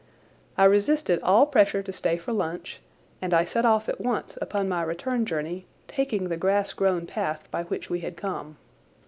I resisted all pressure to stay for lunch, and I set off at once upon my return journey, taking the grass grown path by which we had come.